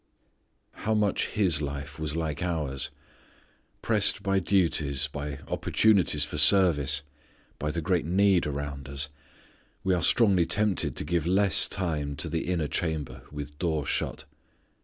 How much His life was like ours. Pressed by duties, by opportunities for service, by the great need around us, we are strongly tempted to give less time to the inner chamber, with door shut.